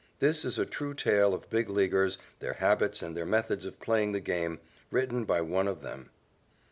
This is a true tale of Big Leaguers, their habits and their methods of playing the game, written by one of them.